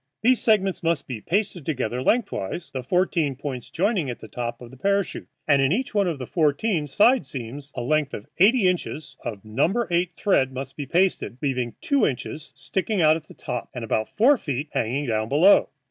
These segments must be pasted together lengthwise, the fourteen points joining at the top of the parachute, and in each one of the fourteen side seams a length of eighty inches of No. 8 thread must be pasted, leaving two inches sticking out at the top and about four feet hanging down below.